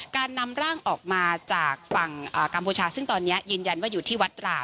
การนำร่างออกมาจากฝั่งกัมพูชาซึ่งตอนนี้ยืนยันว่าอยู่ที่วัดราว